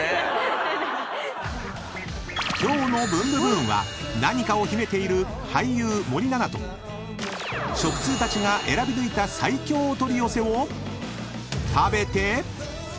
［今日の『ブンブブーン！』は何かを秘めている俳優森七菜と食通たちが選び抜いた最強お取り寄せを］